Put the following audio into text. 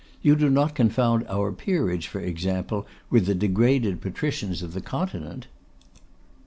You do not confound our peerage, for example, with the degraded patricians of the Continent.